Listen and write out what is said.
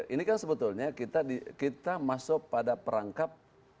ini kan sebetulnya kita masuk pada perangkap